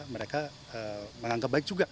mereka menganggap baik juga